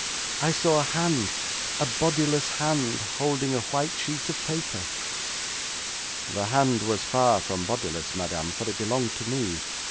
I saw a hand, a bodiless hand, holding a white sheet of paper.' 'The hand was far from bodiless, madam, for it belonged to me.